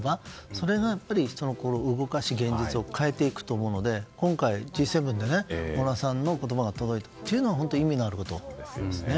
それがやっぱり人の心を動かし現実を変えていくと思うので今回、Ｇ７で小倉さんの言葉が届いたというのは意味があることですよね。